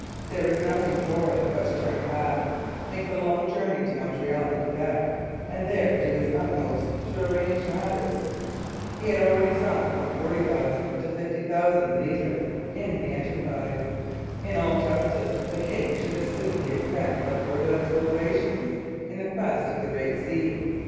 There was nothing for it but to turn back, make the long journey to Montreal and Quebec, and there do his utmost to arrange matters. He had already sunk from 40,000 to 50,000 livres in the enterprise. In all justice, the king should assume the expense of further explorations in quest of the Great Sea.